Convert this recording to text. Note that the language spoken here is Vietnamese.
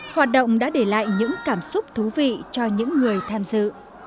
hoạt động đã để lại những cảm xúc thú vị cho những người tham dự